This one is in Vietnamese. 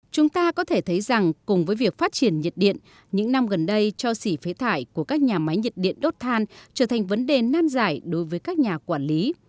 chúng ta có thể thấy rằng cùng với việc phát triển nhiệt điện những năm gần đây cho xỉ phế thải của các nhà máy nhiệt điện đốt than trở thành vấn đề nan giải đối với các nhà quản lý